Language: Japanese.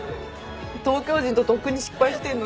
東京人ととっくに失敗してんのに。